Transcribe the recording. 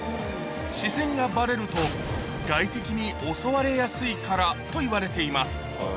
視線がばれると、外敵に襲われやすいからといわれています。